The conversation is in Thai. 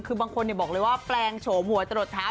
คือบางคนบอกเลยว่าแปลงโฉมหัวตรวจเท้า